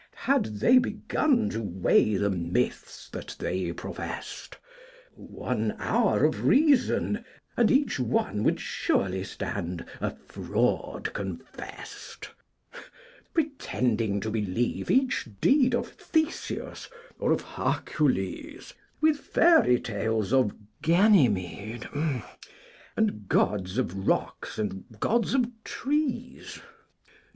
Had they begun To weigh the myths that they professed, One hour of reason and each one Would surely stand a fraud confessed. Pretending to believe each deed Of Theseus or of Hercules, With fairy tales of Ganymede, And gods of rocks and gods of trees!